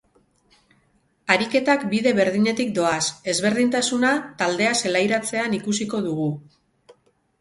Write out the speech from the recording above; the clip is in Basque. Ariketak bide berdinetik doaz, ezberdintasuna taldea zelairatzean ikusiko dugu.